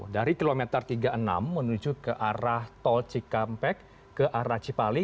dari kilometer tiga puluh enam menuju ke arah tol cikampek ke arah cipali